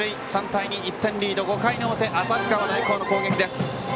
３対２、１点リード５回の表、旭川大高の攻撃です。